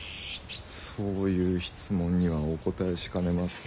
そういう質問にはお答えしかねます。